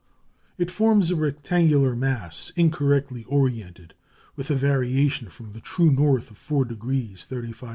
It forms a rectangular mass, incorrectly oriented, with a variation from the true north of 4° 35', 393 ft.